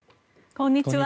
こんにちは。